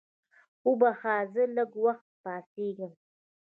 وبخښه زه لږ وخته پاڅېږم.